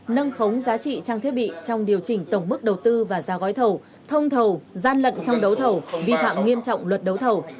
nâng khống giá trị trang thiết bị trong điều chỉnh tổng mức đầu tư và giá gói thầu thông thầu gian lận trong đấu thầu vi phạm nghiêm trọng luật đấu thầu